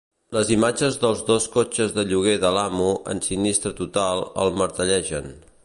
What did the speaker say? Les imatges dels dos cotxes de lloguer d'Alamo en sinistre total el martellegen.